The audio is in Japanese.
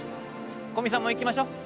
古見さんも行きましょ。